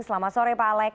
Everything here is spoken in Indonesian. selamat sore pak alex